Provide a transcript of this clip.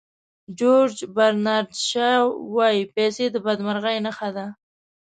جیورج برنارد شاو وایي پیسې د بدمرغۍ ریښه ده.